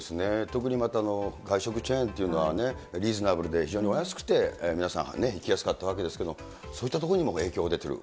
特にまた外食チェーンというのは、リーズナブルで、非常にお安くて皆さん、行きやすかったわけですけど、そういったところにも影響が出ている。